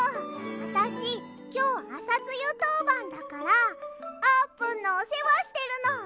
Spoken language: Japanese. あたしきょうアサツユとうばんだからあーぷんのおせわしてるの！